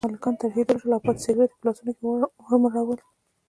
هلکان ترهېدلي شول او پاتې سګرټ یې په لاسونو کې ومروړل.